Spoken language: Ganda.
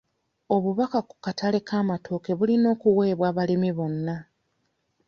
Obubaka ku katale k'amatooke bulina okuweebwa abalimi bonna.